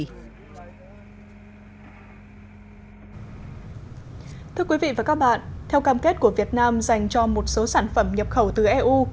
thưa quý vị và các bạn theo cam kết của việt nam dành cho một số sản phẩm nhập khẩu từ eu